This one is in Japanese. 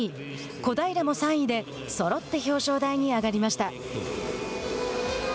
小平も３位でそろって表彰台に上がりました。